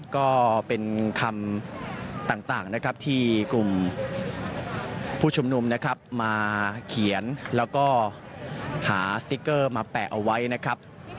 ก็เป็นคำต่างนะครับที่กลุ่มผู้ชุมนุมนะครับมาเขียนแล้วก็หาสติ๊กเกอร์มาแปะเอาไว้นะครับ